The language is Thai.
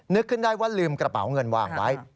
นึกขึ้นได้ว่าลืมกระเป๋าเงินวางไว้